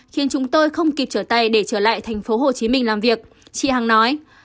khiến chúng tôi không kịp trở tay để trở lại tp hcm làm việc chị hàng nói